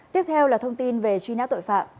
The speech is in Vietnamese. tiếp theo là thông tin về truy nã tội phạm